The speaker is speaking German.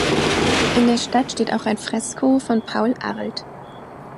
In der Stadt steht auch ein Fresko von Paul Arlt.